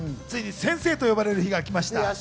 ついに先生と呼ばれる日が来ました。